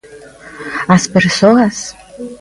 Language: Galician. As persoas.